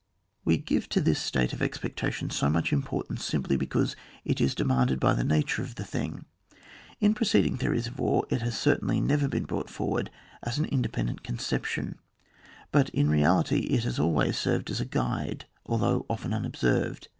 We give to this state of expectation so much importance simply because it is demanded by the nature of the thing. In preceding theories o/ war it has certainly never been brought forward as an inde pendent conception, but in reality it has always served as a guide, although often imobserved.